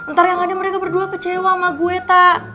ntar yang ada mereka berdua kecewa sama gue tak